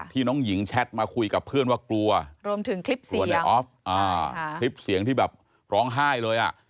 น้องหญิงแชทมาคุยกับเพื่อนว่ากลัวรวมถึงคลิปเสียงส่วนในออฟคลิปเสียงที่แบบร้องไห้เลยอ่ะ